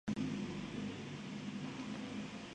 Con el lema ""El conocimiento construye puentes.